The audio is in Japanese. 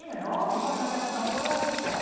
日本のお客さんはおとなしいから。